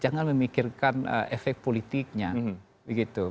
jangan memikirkan efek politiknya begitu